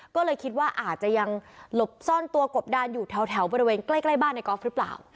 ก็เลยคิดว่าอาจจะยังหลบซ่อนตัวกบดานอยู่แถวบริเวณใกล้บ้านในกอล์ฟหรือเปล่า